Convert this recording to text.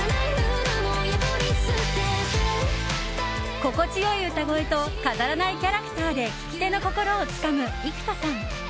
心地良い歌声と飾らないキャラクターで聴き手の心をつかむ幾田さん。